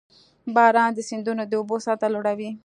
• باران د سیندونو د اوبو سطحه لوړوي.